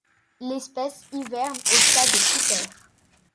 L'espèce hiverne au stade pupaire.